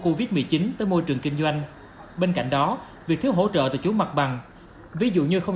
covid một mươi chín tới môi trường kinh doanh bên cạnh đó việc thiếu hỗ trợ từ chủ mặt bằng ví dụ như không